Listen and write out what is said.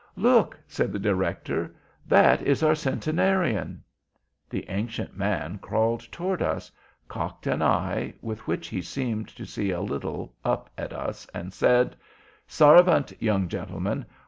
"Look!" said the Director—"that is our Centenarian." The ancient man crawled toward us, cocked one eye, with which he seemed to see a little, up at us, and said: "Sarvant, young Gentlemen.